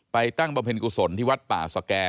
ไปตั้งประเภทกุศลที่วัดป่าศวแก่